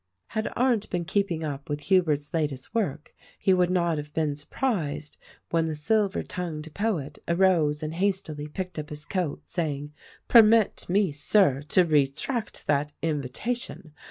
Had Arndt been keeping up with Hubert's latest work he would not have been surprised when the "silver tongued poet" arose and hastily picked up his coat, saying, "Permit me, Sir, to retract that invitation.